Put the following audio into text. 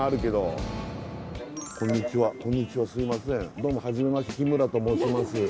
どうも初めまして日村と申します